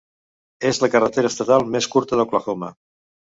És la carretera estatal més curta d'Oklahoma.